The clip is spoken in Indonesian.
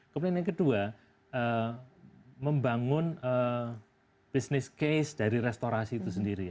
kemudian yang kedua membangun business case dari restorasi itu sendiri